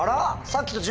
さっきと。